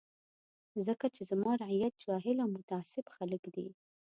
ځکه چې زما رعیت جاهل او متعصب خلک دي.